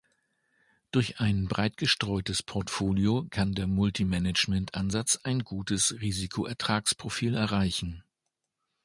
Durch ein breit gestreutes Portfolio kann der Multi-Management-Ansatz ein gutes Risiko-Ertrags-Profil erreichen.